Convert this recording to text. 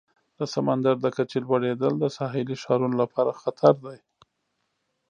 د سمندر د کچې لوړیدل د ساحلي ښارونو لپاره خطر دی.